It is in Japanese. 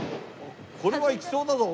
これはいきそうだぞ？